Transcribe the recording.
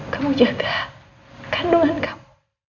kamu jaga kandungan kamu